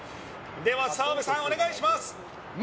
澤部さん、お願いします。